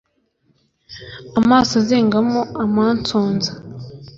Amaso azengamo amansonza